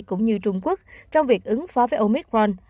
cũng như trung quốc trong việc ứng phó với omicron